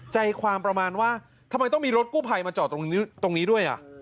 ใจความประมาณว่าทำไมต้องมีรถกู้ภัยมาจอดตรงนี้ด้วย